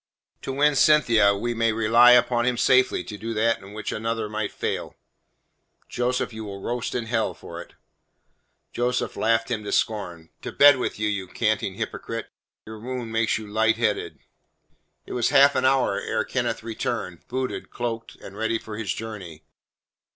To win Cynthia, we may rely upon him safely to do that in which another might fail." "Joseph, you will roast in hell for it." Joseph laughed him to scorn. "To bed with you, you canting hypocrite; your wound makes you light headed." It was a half hour ere Kenneth returned, booted, cloaked, and ready for his journey.